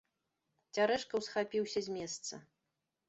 Цярэшка ўсхапіўся з месца.